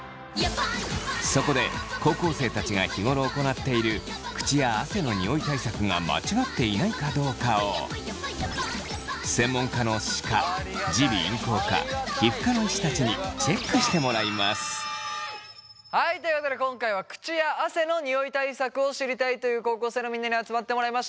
そこで高校生たちが日頃行っている口や汗のニオイ対策が間違っていないかどうかを専門家の歯科耳鼻咽喉科皮膚科の医師たちにはいということで今回は口や汗のニオイ対策を知りたいという高校生のみんなに集まってもらいました。